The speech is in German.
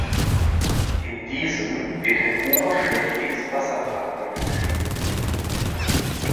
In diesem wird ein oberschlächtiges Wasserrad angetrieben.